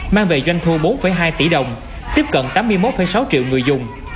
mang về doanh thu bốn hai tỷ đồng tiếp cận tám mươi một sáu triệu người dùng